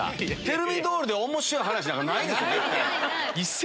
「テルミドール」で面白い話なんかないですよ。